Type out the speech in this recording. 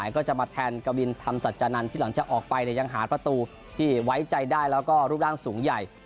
ก็จะมาแทนกวินธรรมสัจจานันทร์ที่หลังจากออกไปยังหาประตูที่ไว้ใจได้แล้วก็รูปร่างสูงใหญ่